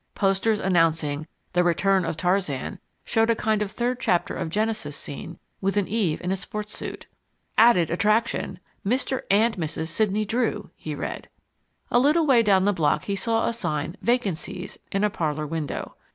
Posters announcing THE RETURN OF TARZAN showed a kind of third chapter of Genesis scene with an Eve in a sports suit. ADDED ATTRACTION, Mr. AND Mrs. SIDNEY DREW, he read. A little way down the block he saw a sign VACANCIES in a parlour window.